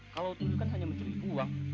kalau tuyul kan hanya mencuri buang